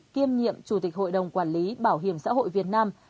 kiêm nhiệm chủ tịch hội đồng quản lý bảo hiểm xã hội việt nam